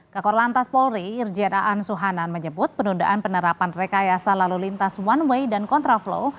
kakor lantas polri irjen aan suhanan menyebut penundaan penerapan rekayasa lalu lintas one way dan kontraflow